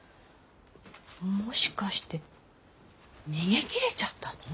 もしかして逃げ切れちゃったの？